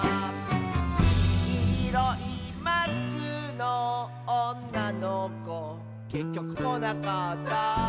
「きいろいマスクのおんなのこ」「けっきょくこなかった」